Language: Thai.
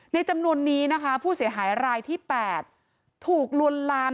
จำนวนนี้นะคะผู้เสียหายรายที่๘ถูกลวนลาม